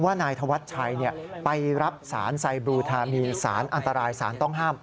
นายธวัชชัยไปรับสารไซบลูทามีนสารอันตรายสารต้องห้าม